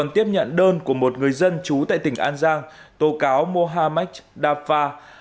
tiếp nhận đơn của một người dân trú tại tỉnh an giang tố cáo mohamadji jaffa